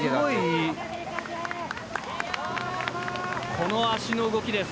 この脚の動きです。